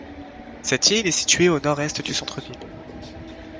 Cette île est située au nord-est du centre ville.